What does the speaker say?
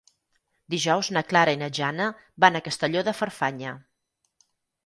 Dijous na Clara i na Jana van a Castelló de Farfanya.